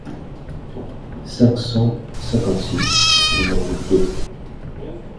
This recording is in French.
cinq cent cinquante-six, nº deux).